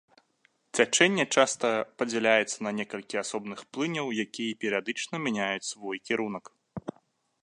Цячэнне часта падзяляецца на некалькі асобных плыняў, якія перыядычна мяняюць свой кірунак.